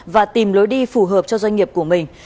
và tìm lối đi phù hợp cho doanh nghiệp của mình